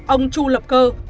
ông chu lập cơ